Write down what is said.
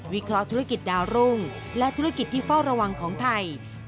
เคราะหธุรกิจดาวรุ่งและธุรกิจที่เฝ้าระวังของไทย